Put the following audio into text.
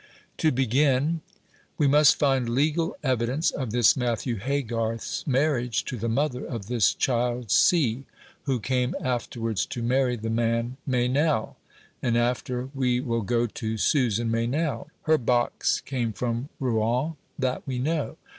"To begin: we must find legal evidence of this Matthew Haygarth's marriage to the mother of this child C., who came afterwards to marry the man Meynell; and after we will go to Susan Meynell. Her box came from Rouen that we know.